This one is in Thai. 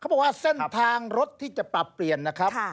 บอกว่าเส้นทางรถที่จะปรับเปลี่ยนนะครับ